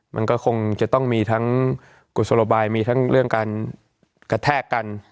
มันก็คงจะต้องมีทั้งกุศโลบายมีทั้งเรื่องการกระแทกกัน